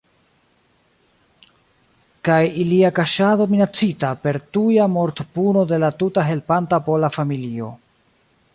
Kaj ilia kaŝado minacita per tuja mortpuno de la tuta helpanta pola familio.